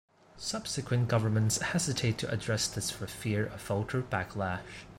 Subsequent governments hesitated to address this for fear of voter backlash.